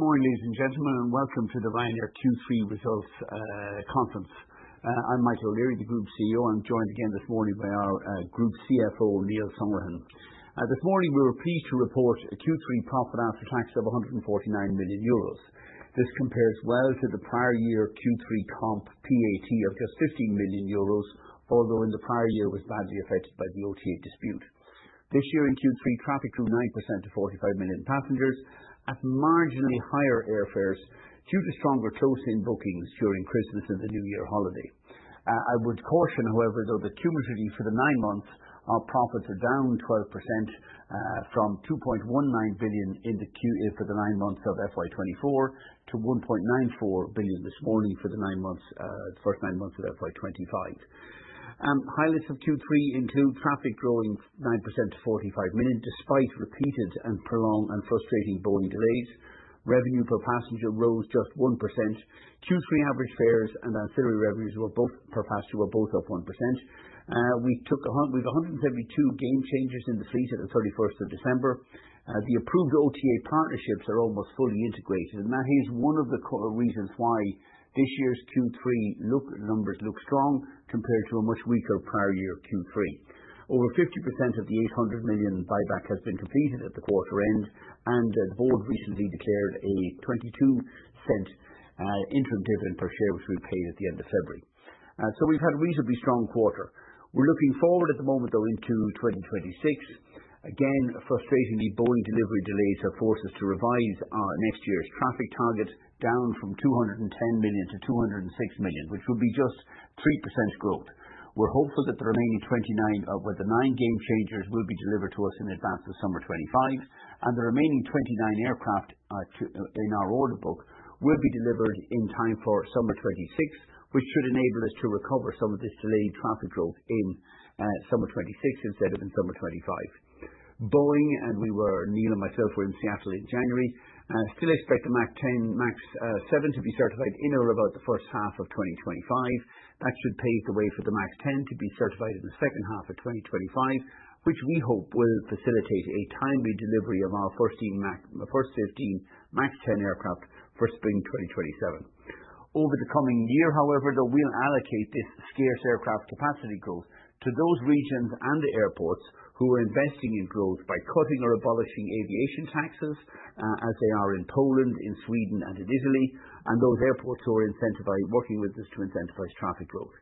Good morning, ladies and gentlemen, and welcome to the Ryanair Q3 results conference. I'm Michael O'Leary, the Group CEO. I'm joined again this morning by our Group CFO, Neil Sorahan. This morning, we were pleased to report a Q3 profit after tax of 149 million euros. This compares well to the prior year Q3 comp PAT of just 15 million euros, although in the prior year it was badly affected by the OTA dispute. This year in Q3, traffic grew 9% to 45 million passengers, at marginally higher airfares due to stronger close-in bookings during Christmas and the New Year holiday. I would caution, however, though the cumulative for the nine months, our profits are down 12% from 2.19 billion for the nine months of FY 2024 to 1.94 billion this morning for the first nine months of FY 2025. Highlights of Q3 include traffic growing 9% to 45 million despite repeated and prolonged and frustrating Boeing delays. Revenue per passenger rose just 1%. Q3 average fares and ancillary revenues per passenger were both up 1%. We had 172 Gamechangers in the fleet at the 31st of December. The approved OTA partnerships are almost fully integrated, and that is one of the reasons why this year's Q3 numbers look strong compared to a much weaker prior year Q3. Over 50% of the 800 million buyback has been completed at the quarter end, and the board recently declared a 22% interim dividend per share, which we paid at the end of February. So we've had a reasonably strong quarter. We're looking forward at the moment, though, into 2026. Again, frustratingly, Boeing delivery delays have forced us to revise our next year's traffic target, down from 210 million to 206 million, which would be just 3% growth. We're hopeful that the remaining 29 of the 39 Gamechangers will be delivered to us in advance of summer 2025, and the remaining 29 aircraft in our order book will be delivered in time for summer 2026, which should enable us to recover some of this delayed traffic growth in summer 2026 instead of in summer 2025. Boeing and we, Neil and myself, were in Seattle in January, still expect the MAX 7 to be certified in or about the first half of 2025. That should pave the way for the MAX 10 to be certified in the second half of 2025, which we hope will facilitate a timely delivery of our first 15 MAX 10 aircraft for spring 2027. Over the coming year, however, though, we'll allocate this scarce aircraft capacity growth to those regions and the airports who are investing in growth by cutting or abolishing aviation taxes, as they are in Poland, in Sweden, and in Italy, and those airports who are working with us to incentivize traffic growth.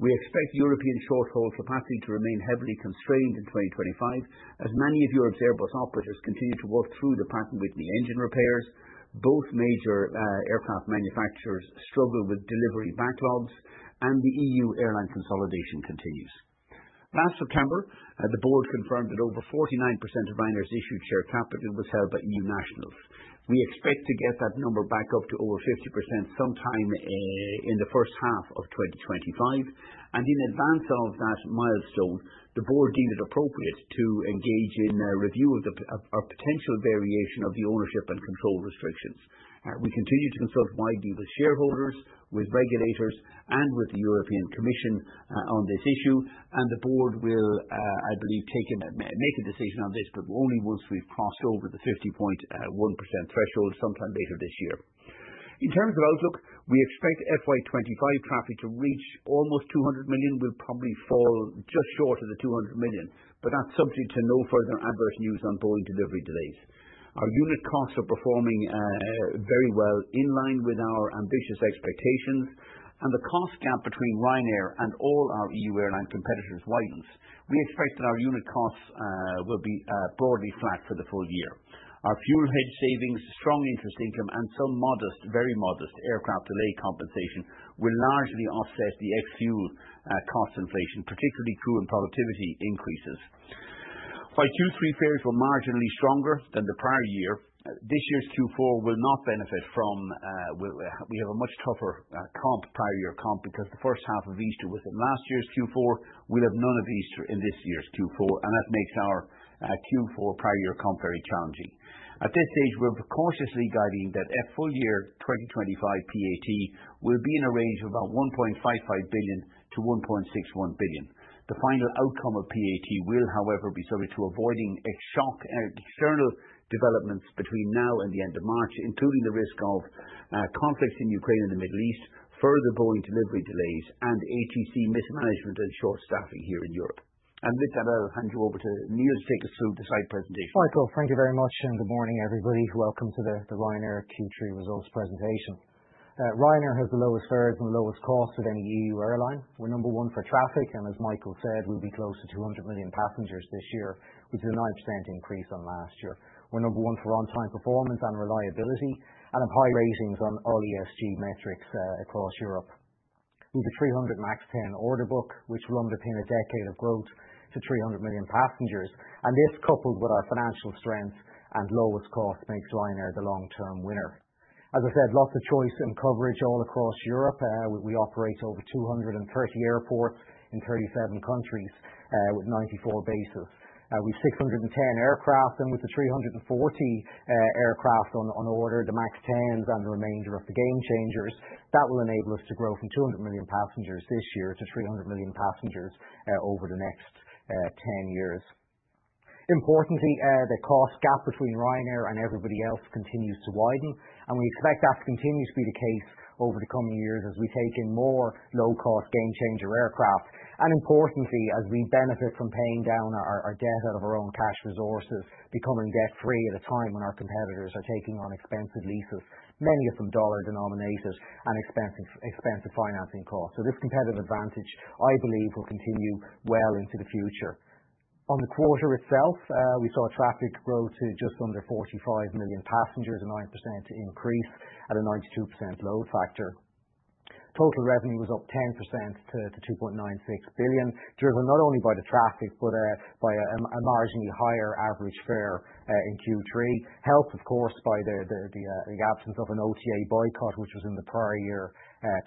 We expect European short-haul capacity to remain heavily constrained in 2025, as many of Europe's Airbus operators continue to work through the Pratt & Whitney engine repairs, both major aircraft manufacturers struggle with delivery backlogs, and the EU airline consolidation continues. Last September, the board confirmed that over 49% of Ryanair's issued share capital was held by EU nationals. We expect to get that number back up to over 50% sometime in the first half of 2025, and in advance of that milestone, the board deemed it appropriate to engage in review of our potential variation of the ownership and control restrictions. We continue to consult widely with shareholders, with regulators, and with the European Commission on this issue, and the board will, I believe, make a decision on this, but only once we've crossed over the 50.1% threshold sometime later this year. In terms of outlook, we expect FY 2025 traffic to reach almost 200 million. We'll probably fall just short of the 200 million, but that's subject to no further adverse news on Boeing delivery delays. Our unit costs are performing very well, in line with our ambitious expectations, and the cost gap between Ryanair and all our EU airline competitors widens. We expect that our unit costs will be broadly flat for the full year. Our fuel hedge savings, strong interest income, and some modest, very modest aircraft delay compensation will largely offset the ex-fuel cost inflation, particularly crew and productivity increases. Flight Q3 fares were marginally stronger than the prior year. This year's Q4 will not benefit from it. We have a much tougher prior year comp because the first half of Easter was in last year's Q4. We'll have none of Easter in this year's Q4, and that makes our Q4 prior year comp very challenging. At this stage, we're cautiously guiding that full year 2025 PAT will be in a range of about 1.55 billion-1.61 billion. The final outcome of PAT will, however, be subject to avoiding external developments between now and the end of March, including the risk of conflicts in Ukraine and the Middle East, further Boeing delivery delays, and ATC mismanagement and short-staffing here in Europe. And with that, I'll hand you over to Neil to take us through the slide presentation. Michael, thank you very much, and good morning, everybody. Welcome to the Ryanair Q3 results presentation. Ryanair has the lowest fares and the lowest costs with any EU airline. We're number one for traffic, and as Michael said, we'll be close to 200 million passengers this year, which is a 9% increase on last year. We're number one for on-time performance and reliability, and have high ratings on all ESG metrics across Europe. We have a 300 MAX 10 order book, which will underpin a decade of growth to 300 million passengers, and this, coupled with our financial strength and lowest cost, makes Ryanair the long-term winner. As I said, lots of choice and coverage all across Europe. We operate over 230 airports in 37 countries with 94 bases. We have 610 aircraft, and with the 340 aircraft on order, the MAX 10s and the remainder of the Gamechangers, that will enable us to grow from 200 million passengers this year to 300 million passengers over the next 10 years. Importantly, the cost gap between Ryanair and everybody else continues to widen, and we expect that to continue to be the case over the coming years as we take in more low-cost Gamechanger aircraft, and importantly, as we benefit from paying down our debt out of our own cash resources, becoming debt-free at a time when our competitors are taking on expensive leases, many of them dollar-denominated and expensive financing costs, so this competitive advantage, I believe, will continue well into the future. On the quarter itself, we saw traffic grow to just under 45 million passengers, a 9% increase and a 92% load factor. Total revenue was up 10% to 2.96 billion, driven not only by the traffic but by a marginally higher average fare in Q3, helped, of course, by the absence of an OTA boycott, which was in the prior year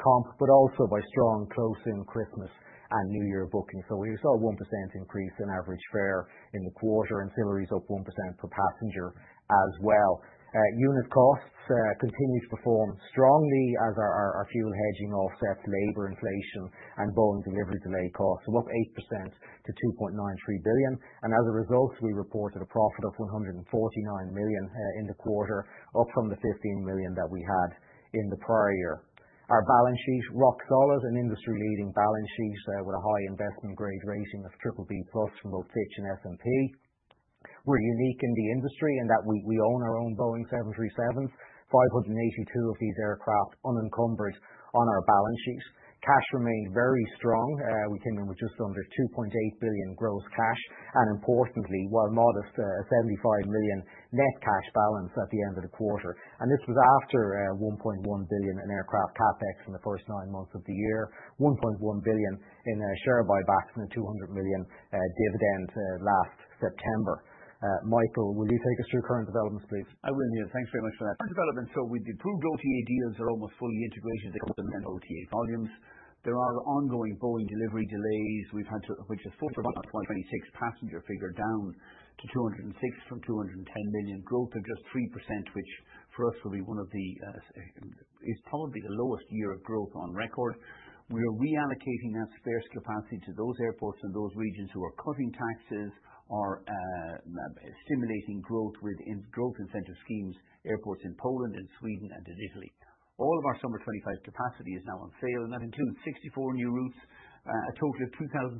comp, but also by strong close-in Christmas and New Year bookings. We saw a 1% increase in average fare in the quarter, ancillaries up 1% per passenger as well. Unit costs continue to perform strongly as our fuel hedging offsets labor inflation and Boeing delivery delay costs, so up 8% to 2.93 billion. As a result, we reported a profit of 149 million in the quarter, up from the 15 million that we had in the prior year. Our balance sheet boasts an industry-leading balance sheet with a high investment-grade rating of BBB plus from both Fitch and S&P. We're unique in the industry in that we own our own Boeing 737s, 582 of these aircraft unencumbered on our balance sheet. Cash remained very strong. We came in with just under 2.8 billion gross cash, and importantly, while modest, a 75 million net cash balance at the end of the quarter, and this was after 1.1 billion in aircraft CapEx in the first nine months of the year, 1.1 billion in share buyback, and a 200 million dividend last September. Michael, will you take us through current developments, please? I will, Neil. Thanks very much for that. Current developments, so with the approved OTA deals, are almost fully integrated. Complement OTA volumes. There are ongoing Boeing delivery delays, which have forced about a 2026 passenger figure down to 206 from 210 million. Growth of just 3%, which for us will be one of, is probably the lowest year of growth on record. We are reallocating that spare capacity to those airports and those regions who are cutting taxes or stimulating growth with growth incentive schemes, airports in Poland, in Sweden, and in Italy. All of our summer 2025 capacity is now on sale, and that includes 64 new routes, a total of 2,600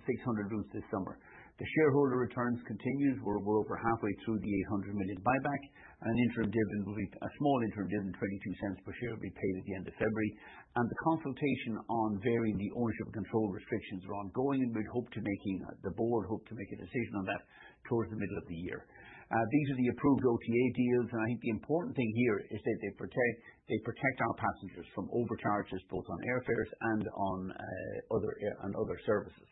routes this summer. The shareholder returns continue. We're over halfway through the 800 million buyback, and an interim dividend will be a small interim dividend, 0.22 per share will be paid at the end of February. The consultation on varying the ownership and control restrictions is ongoing, and we hope the board makes a decision on that towards the middle of the year. These are the approved OTA deals, and I think the important thing here is that they protect our passengers from overcharges, both on airfares and on other services.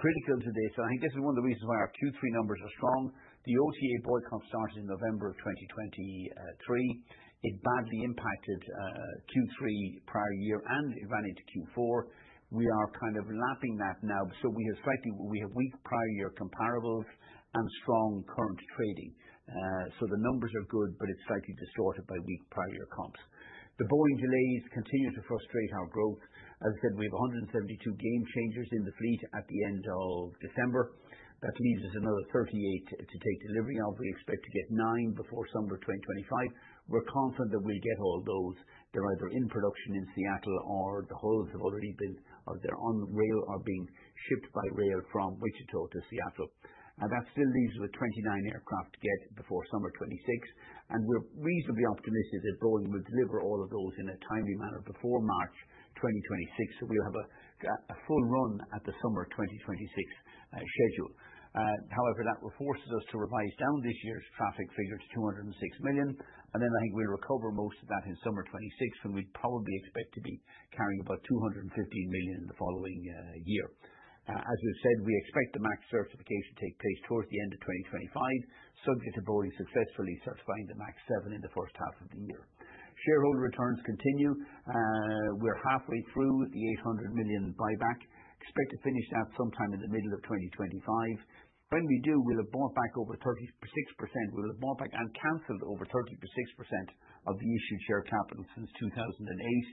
Critical to this, and I think this is one of the reasons why our Q3 numbers are strong. The OTA boycott started in November of 2023. It badly impacted Q3 prior year, and it ran into Q4. We are kind of lapping that now, so we have weak prior year comparables and strong current trading. The numbers are good, but it's slightly distorted by weak prior year comps. The Boeing delays continue to frustrate our growth. As I said, we have 172 Gamechangers in the fleet at the end of December. That leaves us another 38 to take delivery. We expect to get nine before summer 2025. We're confident that we'll get all those. They're either in production in Seattle or the hulls have already been on rail or being shipped by rail from Wichita to Seattle. That still leaves us with 29 aircraft to get before summer 2026, and we're reasonably optimistic that Boeing will deliver all of those in a timely manner before March 2026, so we'll have a full run at the summer 2026 schedule. However, that forces us to revise down this year's traffic figure to 206 million, and then I think we'll recover most of that in summer 2026, when we'd probably expect to be carrying about 215 million in the following year. As we've said, we expect the MAX certification to take place towards the end of 2025, subject to Boeing successfully certifying the MAX 7 in the first half of the year. Shareholder returns continue. We're halfway through the 800 million buyback. Expect to finish that sometime in the middle of 2025. When we do, we'll have bought back over 36%. We'll have bought back and canceled over 36% of the issued share capital since 2008.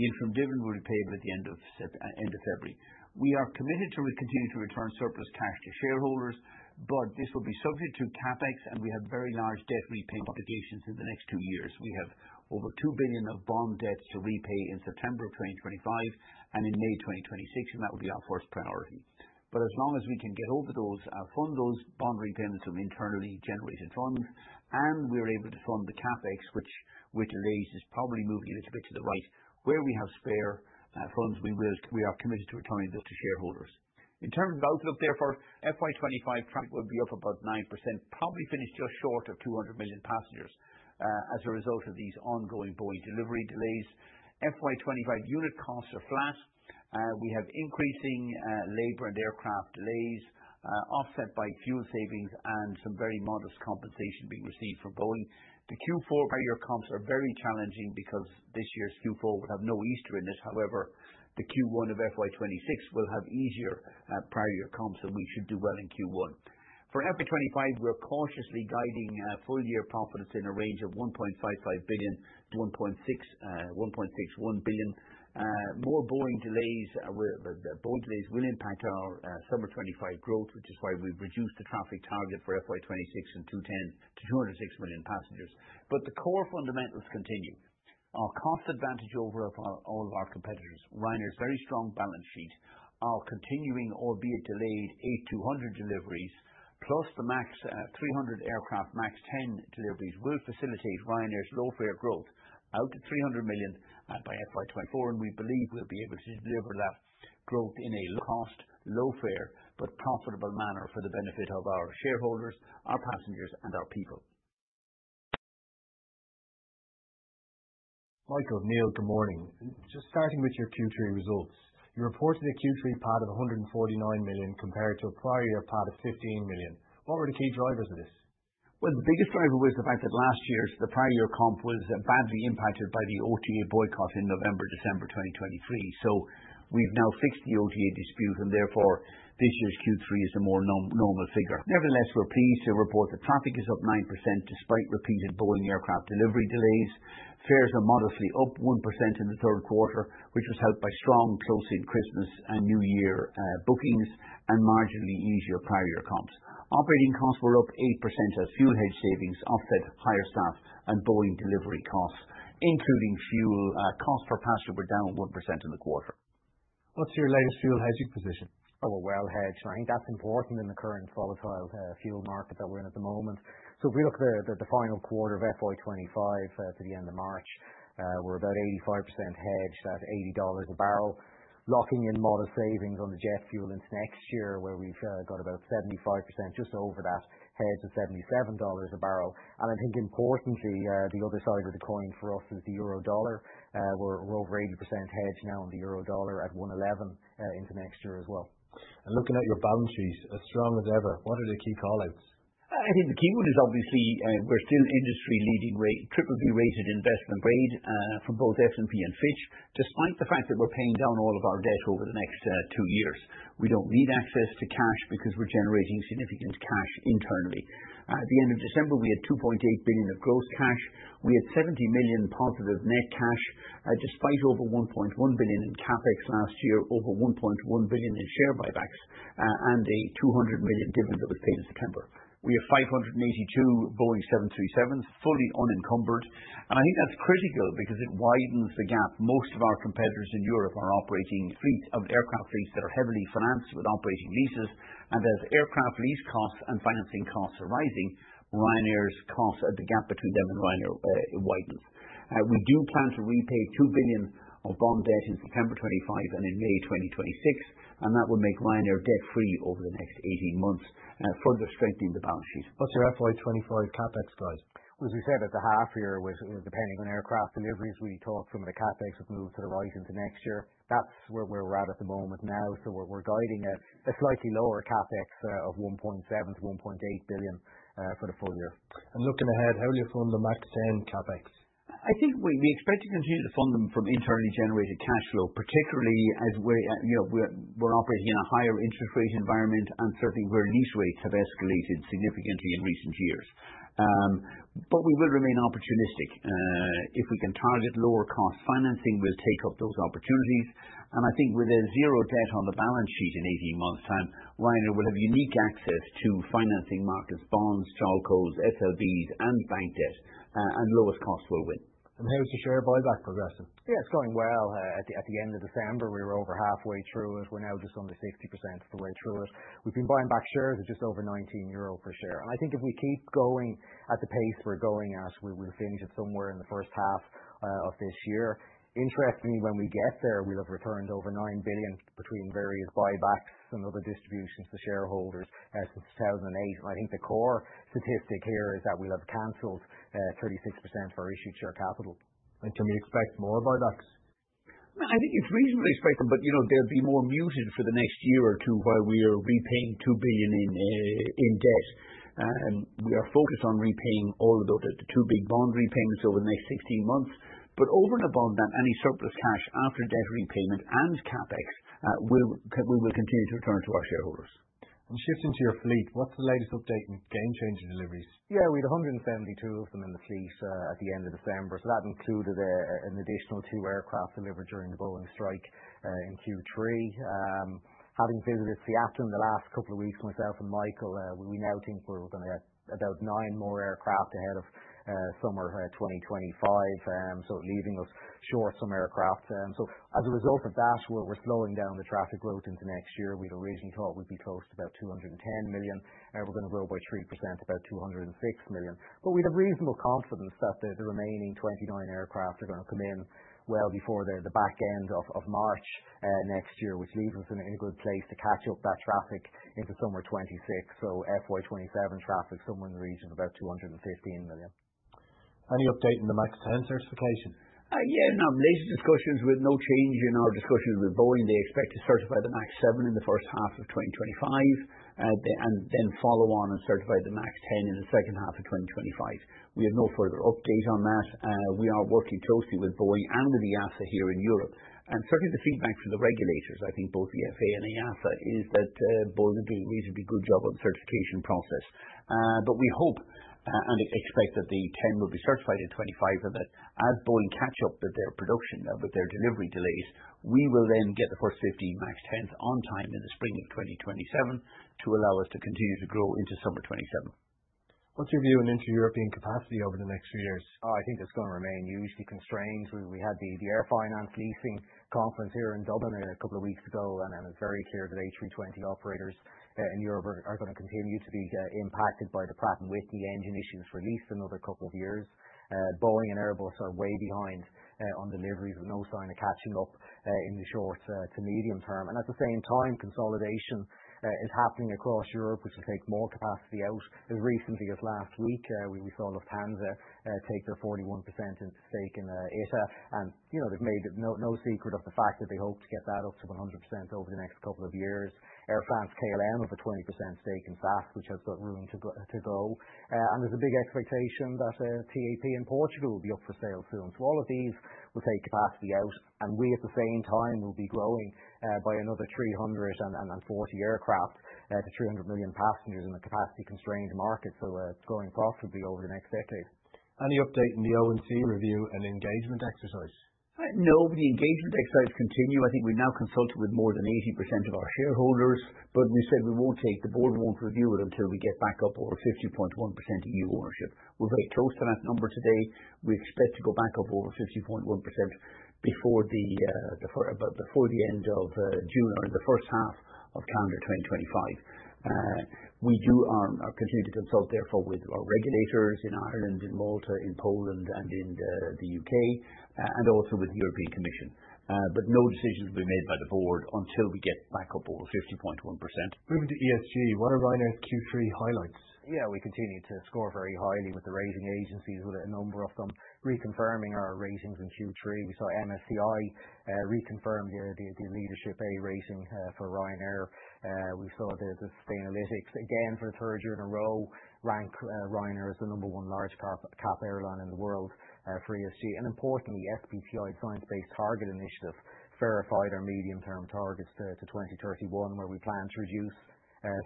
The interim dividend will be paid at the end of February. We are committed to continue to return surplus cash to shareholders, but this will be subject to CapEx, and we have very large debt repayment obligations in the next two years. We have over 2 billion of bond debts to repay in September of 2025 and in May 2026, and that will be our first priority. But as long as we can get over those, fund those bond repayments from internally generated funds, and we're able to fund the CapEx, which delays is probably moving a little bit to the right, where we have spare funds, we are committed to returning this to shareholders. In terms of outlook, therefore, FY 2025 traffic will be up about 9%, probably finished just short of 200 million passengers as a result of these ongoing Boeing delivery delays. FY 2025 unit costs are flat. We have increasing labor and aircraft delays, offset by fuel savings and some very modest compensation being received from Boeing. The Q4 prior year comps are very challenging because this year's Q4 will have no Easter in it. However, the Q1 of FY 2026 will have easier prior year comps, and we should do well in Q1. For FY 2025, we're cautiously guiding full year profits in a range of 1.55 billion-1.61 billion. More Boeing delays will impact our summer 2025 growth, which is why we've reduced the traffic target for FY 2026 and 210 to 206 million passengers. But the core fundamentals continue. Our cost advantage over all of our competitors. Ryanair's very strong balance sheet. Our continuing, albeit delayed, 800 deliveries, plus the MAX 300 aircraft, MAX 10 deliveries, will facilitate Ryanair's low fare growth out to 300 million by FY 2024, and we believe we'll be able to deliver that growth in a low cost, low fare, but profitable manner for the benefit of our shareholders, our passengers, and our people. Michael, Neil, good morning. Just starting with your Q3 results, you reported a Q3 PAT of 149 million compared to a prior year PAT of 15 million. What were the key drivers of this? The biggest driver was the fact that last year's prior year comp was badly impacted by the OTA boycott in November, December 2023, so we've now fixed the OTA dispute, and therefore this year's Q3 is a more normal figure. Nevertheless, we're pleased to report that traffic is up 9% despite repeated Boeing aircraft delivery delays. Fares are modestly up 1% in the third quarter, which was helped by strong close-in Christmas and New Year bookings and marginally easier prior year comps. Operating costs were up 8% as fuel hedge savings offset higher staff and Boeing delivery costs. Including fuel costs per passenger were down 1% in the quarter. What's your latest fuel hedging position? Oh, we're well hedged, Ryan. That's important in the current volatile fuel market that we're in at the moment. So if we look at the final quarter of FY 2025 to the end of March, we're about 85% hedged at $80 a barrel, locking in modest savings on the jet fuel into next year, where we've got about 75%, just over that, hedged at $77 a barrel. And I think importantly, the other side of the coin for us is the euro/dollar. We're over 80% hedged now on the euro/dollar at 111 into next year as well. Looking at your balance sheet, as strong as ever, what are the key callouts? I think the key one is obviously we're still industry-leading rate BBB rated investment grade for both S&P and Fitch, despite the fact that we're paying down all of our debt over the next two years. We don't need access to cash because we're generating significant cash internally. At the end of December, we had 2.8 billion of gross cash. We had 70 million positive net cash, despite over 1.1 billion in CapEx last year, over 1.1 billion in share buybacks, and a 200 million dividend that was paid in September. We have 582 Boeing 737s, fully unencumbered, and I think that's critical because it widens the gap. Most of our competitors in Europe are operating fleets of aircraft that are heavily financed with operating leases, and as aircraft lease costs and financing costs are rising, Ryanair's costs and the gap between them and Ryanair widens. We do plan to repay 2 billion of bond debt in September 2025 and in May 2026, and that will make Ryanair debt-free over the next 18 months, further strengthening the balance sheet. What's your FY 2025 CapEx guide? As we said, at the half year, depending on aircraft deliveries, we talk some of the CapEx have moved to the right into next year. That's where we're at the moment now, so we're guiding a slightly lower CapEx of 1.7 billion-1.8 billion for the full year. Looking ahead, how will you fund the MAX 10 CapEx? I think we expect to continue to fund them from internally generated cash flow, particularly as we're operating in a higher interest rate environment, and certainly where lease rates have escalated significantly in recent years. But we will remain opportunistic. If we can target lower cost financing, we'll take up those opportunities. And I think with a zero debt on the balance sheet in 18 months' time, Ryanair will have unique access to financing markets, bonds, JOLCOs, SLBs, and bank debt, and lowest cost will win. How is your share buyback progressing? Yeah, it's going well. At the end of December, we were over halfway through it. We're now just under 60% of the way through it. We've been buying back shares at just over 19 euro per share. And I think if we keep going at the pace we're going at, we'll finish it somewhere in the first half of this year. Interestingly, when we get there, we'll have returned over 9 billion between various buybacks and other distributions to shareholders since 2008. And I think the core statistic here is that we'll have canceled 36% of our issued share capital. Can we expect more buybacks? I think it's reasonably expected, but there'll be more muted for the next year or two while we are repaying 2 billion in debt. We are focused on repaying all of the two big bond repayments over the next 16 months, but over and above that, any surplus cash after debt repayment and CapEx, we will continue to return to our shareholders. Shifting to your fleet, what's the latest update in Gamechanger deliveries? Yeah, we had 172 of them in the fleet at the end of December, so that included an additional two aircraft delivered during the Boeing strike in Q3. Having visited Seattle in the last couple of weeks, myself and Michael, we now think we're looking at about nine more aircraft ahead of summer 2025, so leaving us short some aircraft, so as a result of that, we're slowing down the traffic growth into next year. We'd originally thought we'd be close to about 210 million. We're going to grow by 3% to about 206 million, but we have reasonable confidence that the remaining 29 aircraft are going to come in well before the back end of March next year, which leaves us in a good place to catch up that traffic into summer 2026, so FY 2027 traffic somewhere in the region of about 215 million. Any update on the MAX 10 certification? Yeah, in our latest discussions, with no change in our discussions with Boeing, they expect to certify the MAX 7 in the first half of 2025 and then follow on and certify the MAX 10 in the second half of 2025. We have no further update on that. We are working closely with Boeing and with EASA here in Europe, and certainly the feedback from the regulators, I think both the FAA and EASA, is that Boeing are doing a reasonably good job on the certification process, but we hope and expect that the 10 will be certified in 2025 and that as Boeing catch up with their production, with their delivery delays, we will then get the first 15 MAX 10s on time in the spring of 2027 to allow us to continue to grow into summer 2027. What's your view on inter-European capacity over the next few years? Oh, I think it's going to remain hugely constrained. We had the air finance leasing conference here in Dublin a couple of weeks ago, and it's very clear today, 320 operators in Europe are going to continue to be impacted by the Pratt & Whitney engine issues for at least another couple of years. Boeing and Airbus are way behind on deliveries with no sign of catching up in the short to medium term, and at the same time, consolidation is happening across Europe, which will take more capacity out. As recently as last week, we saw Lufthansa take their 41% stake in ITA Airways, and they've made no secret of the fact that they hope to get that up to 100% over the next couple of years. Air France-KLM have a 20% stake in SAS, which has got room to grow. There's a big expectation that TAP in Portugal will be up for sale soon. All of these will take capacity out, and we at the same time will be growing by another 340 aircraft to 300 million passengers in a capacity-constrained market. Growing properly over the next decade. Any update on the O&C review and engagement exercise? No, the engagement exercise continues. I think we've now consulted with more than 80% of our shareholders, but we said we won't, the board won't review it until we get back up over 50.1% EU ownership. We're very close to that number today. We expect to go back up over 50.1% before the end of June or in the first half of calendar 2025. We do continue to consult, therefore, with our regulators in Ireland, in Malta, in Poland, and in the U.K., and also with the European Commission. But no decisions will be made by the board until we get back up over 50.1%. Moving to ESG, what are Ryanair's Q3 highlights? Yeah, we continue to score very highly with the rating agencies, with a number of them reconfirming our ratings in Q3. We saw MSCI reconfirm the leadership A rating for Ryanair. We saw the Sustainalytics again for the third year in a row rank Ryanair as the number one large cap airline in the world for ESG. And importantly, SBTi Science Based Targets initiative verified our medium-term targets to 2031, where we plan to reduce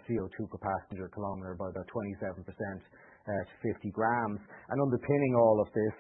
CO2 per passenger kilometer by about 27% to 50 grams. And underpinning all of this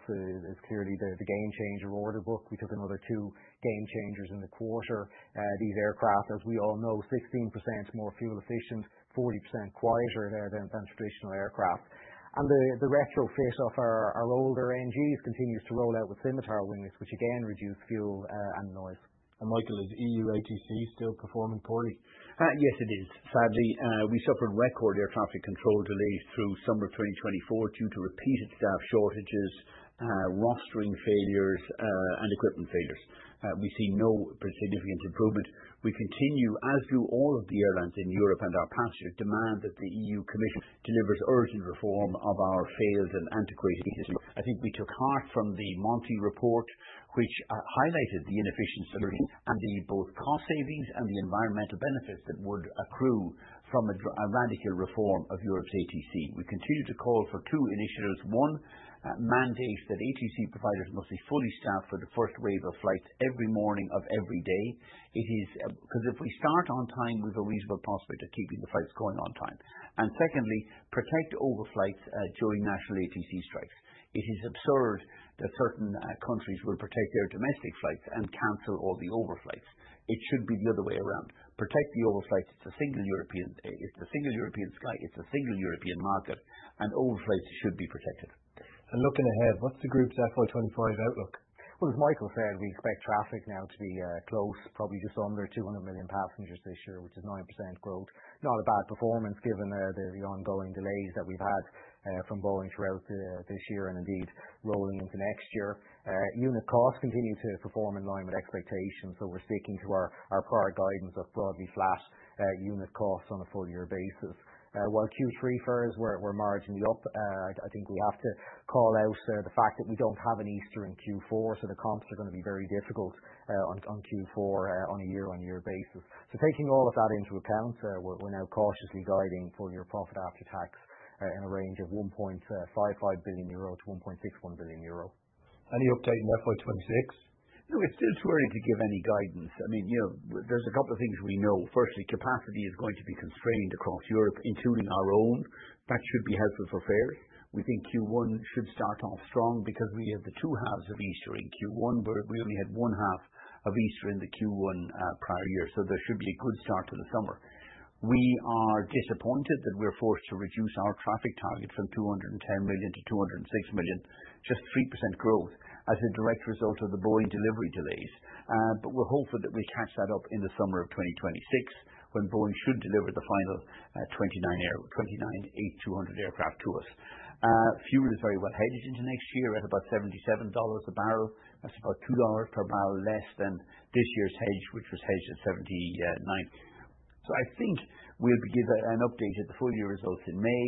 is clearly the Gamechanger order book. We took another two Gamechangers in the quarter. These aircraft, as we all know, 16% more fuel efficient, 40% quieter than traditional aircraft. And the retrofit of our older NGs continues to roll out with Scimitar winglets, which again reduce fuel and noise. Michael, is EU OTC still performing poorly? Yes, it is. Sadly, we suffered record air traffic control delays through summer 2024 due to repeated staff shortages, rostering failures, and equipment failures. We see no significant improvement. We continue, as do all of the airlines in Europe and our passengers, to demand that the EU Commission delivers urgent reform of our failed and antiquated ATC. I think we took heart from the Monti report, which highlighted the inefficient delivery and both the cost savings and the environmental benefits that would accrue from a radical reform of Europe's ATC. We continue to call for two initiatives. One, mandate that ATC providers must be fully staffed for the first wave of flights every morning of every day. It is because if we start on time, we've a reasonable prospect of keeping the flights going on time. And secondly, protect overflights during national ATC strikes. It is absurd that certain countries will protect their domestic flights and cancel all the overflights. It should be the other way around. Protect the overflights. It's the single European sky. It's the single European market, and overflights should be protected. Looking ahead, what's the group's FY 2025 outlook? As Michael said, we expect traffic now to be close, probably just under 200 million passengers this year, which is 9% growth. Not a bad performance given the ongoing delays that we've had from Boeing throughout this year and indeed rolling into next year. Unit costs continue to perform in line with expectations, so we're sticking to our prior guidance of broadly flat unit costs on a full year basis. While Q3 fares were marginally up, I think we have to call out the fact that we don't have an Easter in Q4, so the comps are going to be very difficult on Q4 on a year-on-year basis. So taking all of that into account, we're now cautiously guiding full year profit after tax in a range of 1.55 billion-1.61 billion euro. Any update on FY 2026? No, it's still too early to give any guidance. I mean, there's a couple of things we know. Firstly, capacity is going to be constrained across Europe, including our own. That should be helpful for fares. We think Q1 should start off strong because we have the two halves of Easter in Q1. We only had one half of Easter in the Q1 prior year, so there should be a good start to the summer. We are disappointed that we're forced to reduce our traffic target from 210 million to 206 million, just 3% growth as a direct result of the Boeing delivery delays. But we're hopeful that we catch that up in the summer of 2026 when Boeing should deliver the final 29 8200 aircraft to us. Fuel is very well hedged into next year at about $77 a barrel. That's about $2 per barrel less than this year's hedge, which was hedged at $79. So I think we'll be given an update at the full year results in May.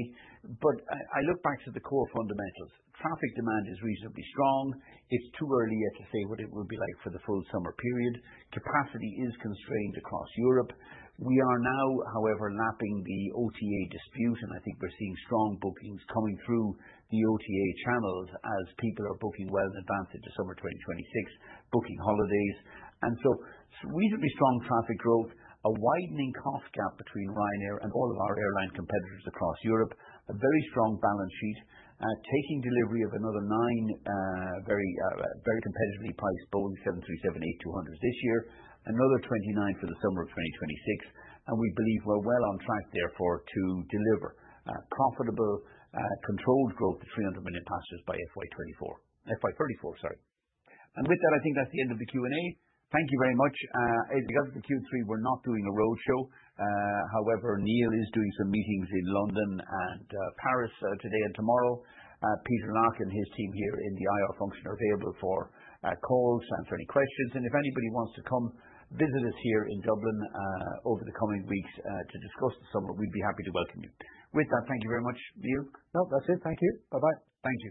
But I look back to the core fundamentals. Traffic demand is reasonably strong. It's too early yet to say what it will be like for the full summer period. Capacity is constrained across Europe. We are now, however, lapping the OTA dispute, and I think we're seeing strong bookings coming through the OTA channels as people are booking well in advance into summer 2026, booking holidays, and so reasonably strong traffic growth, a widening cost gap between Ryanair and all of our airline competitors across Europe, a very strong balance sheet, taking delivery of another nine very competitively priced Boeing 737-8200s this year, another 29 for the summer of 2026. And we believe we're well on track, therefore, to deliver profitable, controlled growth to 300 million passengers by FY 2024. And with that, I think that's the end of the Q&A. Thank you very much. As you got to the Q3, we're not doing a roadshow. However, Neil is doing some meetings in London and Paris today and tomorrow. Peter Larkin and his team here in the IR function are available for calls and for any questions. And if anybody wants to come visit us here in Dublin over the coming weeks to discuss the summer, we'd be happy to welcome you. With that, thank you very much, Neil. No, that's it. Thank you. Bye-bye. Thank you.